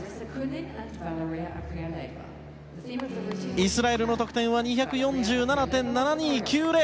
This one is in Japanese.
イスラエルの得点は２４７．７２９０。